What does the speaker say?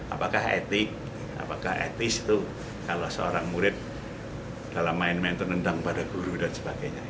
apakah etik apakah etis itu kalau seorang murid dalam main main itu nendang pada guru dan sebagainya